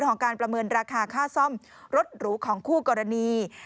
ของการประเมินราคาค่าซ่อมรถหรูของคู่กรณี